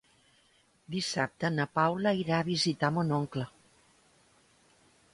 Dissabte na Paula irà a visitar mon oncle.